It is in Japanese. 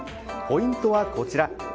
ポイントはこちら。